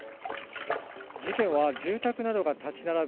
事件は住宅などが立ち並ぶ